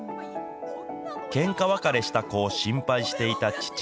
けんか別れした子を心配していた父。